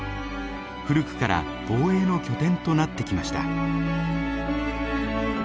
古くから防衛の拠点となってきました。